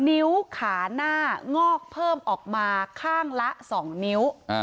นิ้วขาหน้างอกเพิ่มออกมาข้างละ๒นิ้ว